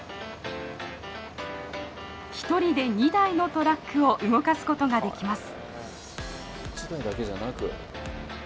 １人で２台のトラックを動かすことができます。